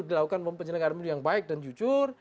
dilakukan mempenjelangkan pemilihan yang baik dan jujur